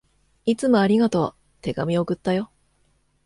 いつもありがとう。手紙、送ったよ。